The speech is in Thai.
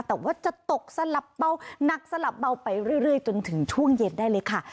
แต่ว่าจะตกสลับเบาหนักสลับเบาไปเรื่อยจนถึงช่วงเย็นได้เลยค่ะ